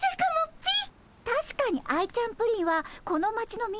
ピィ。